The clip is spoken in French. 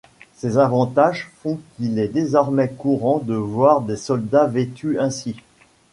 Ces avantages font qu'ils est désormais courant de voir des soldats vêtus ainsi.